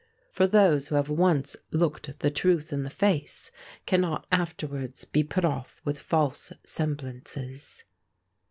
For those who have once looked the truth in the face cannot afterwards be put off with false semblances."